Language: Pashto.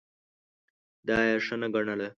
دا یې ښه نه ګڼله.